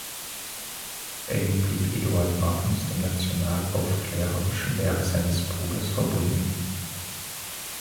Eng blieb Eduard Magnus dem national-aufklärerischen Werk seines Bruders verbunden.